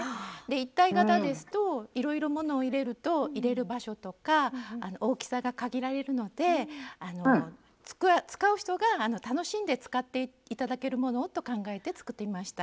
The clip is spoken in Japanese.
一体型ですといろいろものを入れると入れる場所とか大きさが限られるので使う人が楽しんで使って頂けるものをと考えて作ってみました。